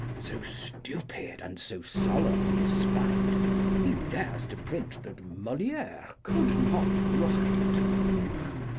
So stupid and so solemn in his spite He dares to print that Moliére could not write!